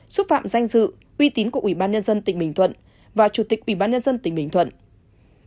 xúc phạm danh dự uy tín của ubnd tp hcm và chủ tịch ubnd tp hcm